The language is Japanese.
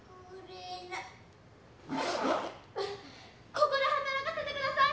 ここで働かせてください！